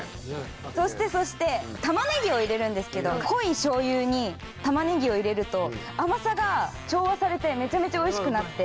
そしてそしてタマネギを入れるんですけど濃いしょう油にタマネギを入れると甘さが調和されてめちゃめちゃおいしくなって。